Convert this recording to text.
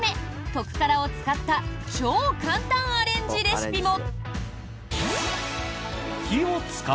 特からを使った超簡単アレンジレシピも。